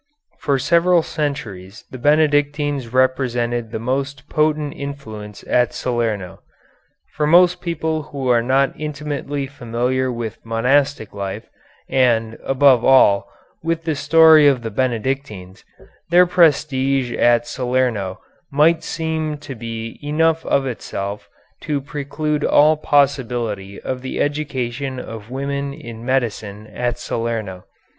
For several centuries the Benedictines represented the most potent influence at Salerno. For most people who are not intimately familiar with monastic life, and, above all, with the story of the Benedictines, their prestige at Salerno might seem to be enough of itself to preclude all possibility of the education of women in medicine at Salerno.